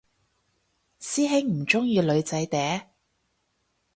師兄唔鍾意女仔嗲？